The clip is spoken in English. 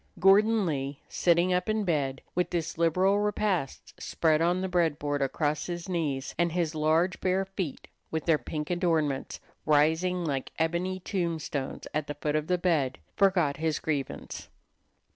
Gordon Lee, sitting up in bed with this liberal repast spread on the bread board across his knees, and his large, bare feet, with their pink adornments, rising like ebony tombstones at the foot of the bed, forgot his grievance.